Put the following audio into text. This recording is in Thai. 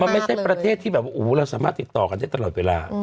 มันไม่ใช่ประเทศที่แบบว่าเราสามารถติดต่อกันได้ตลอดเวลา